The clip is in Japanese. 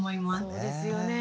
そうですよね。